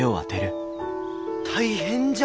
大変じゃ！